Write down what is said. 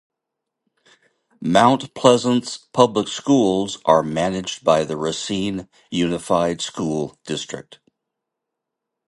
Mount Pleasant's public schools are managed by the Racine Unified School District.